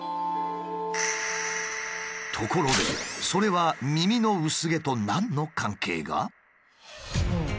ところでそれは耳の薄毛と何の関係が？